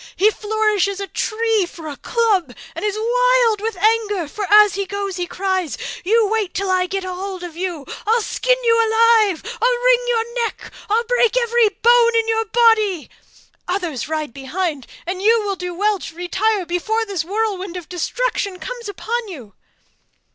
He flourishes a tree for a club and is wild with anger, for as he goes he cries, "You wait till I get hold of you! I'll skin you alive! I'll wring your neck! I'll break every bone in your body!" Others ride behind, and you will do well to retire before this whirlwind of destruction comes upon you.